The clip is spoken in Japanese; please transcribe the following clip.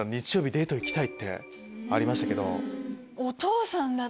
デート行きたいってありましたけど。